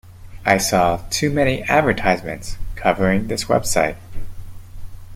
I saw too many advertisements covering this website.